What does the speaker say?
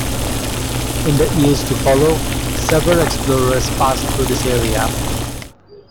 In the years to follow, several explorers passed through this area.